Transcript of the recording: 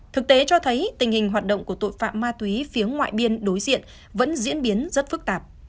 thực tế cho thấy tình hình hoạt động của tội phạm ma túy phía ngoại biên đối diện vẫn diễn biến rất phức tạp